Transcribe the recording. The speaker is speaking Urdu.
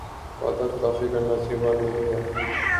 وعدہ خلافی کرنا اچھی بات نہیں ہے